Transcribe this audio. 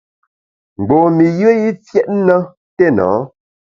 Mgbom-i yùe i fiét na téna.